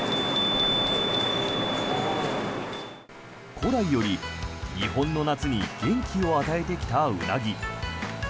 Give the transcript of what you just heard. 古来より、日本の夏に元気を与えてきたウナギ。